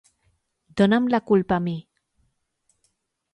Dona'm la culpa a mi.